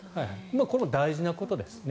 これも大事なことですね